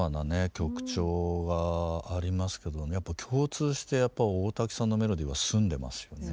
曲調がありますけどやっぱ共通してやっぱ大滝さんのメロディーは澄んでますよね。